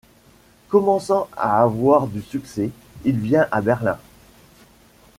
Commençant à avoir du succès, il vient à Berlin.